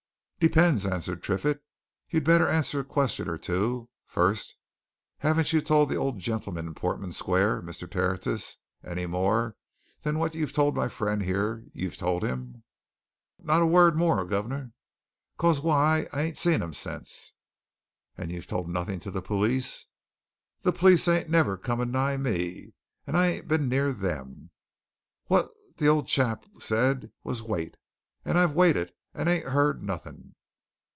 "Depends," answered Triffitt. "You'd better answer a question or two. First you haven't told the old gentleman in Portman Square Mr. Tertius any more than what you told my friend here you'd told him?" "Not a word more, guv'nor! 'Cause why I ain't seen him since." "And you've told nothing to the police?" "The police ain't never come a nigh me, and I ain't been near them. What the old chap said was wait! And I've waited and ain't heard nothing."